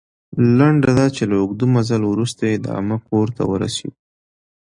لنډه دا چې، له اوږده مزل وروسته د عمه کور ته ورسېدو.